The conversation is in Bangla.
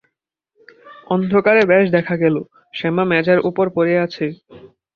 অন্ধকারে বেশ দেখা গেল– শ্যামা মেজের উপর পড়ে আছে।